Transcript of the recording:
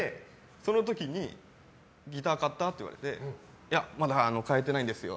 その時にギター買った？って言われてまだ買えてないんですよ。